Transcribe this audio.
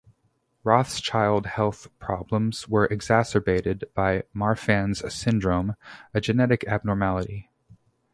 Rothschild's health problems were exacerbated by Marfan's syndrome, a genetic abnormality.